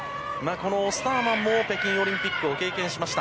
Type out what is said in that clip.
このオスターマンも北京オリンピック経験しました。